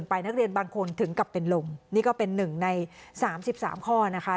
ไปนักเรียนบางคนถึงกลับเป็นลมนี่ก็เป็นหนึ่งใน๓๓ข้อนะคะ